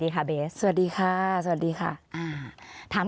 ขอบคุณครับ